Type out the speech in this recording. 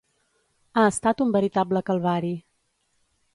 Ha estat un veritable calvari.